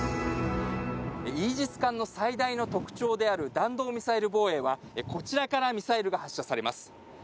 イージス艦の最大の特徴である弾道ミサイル防衛はこちらからミサイルが発射されます。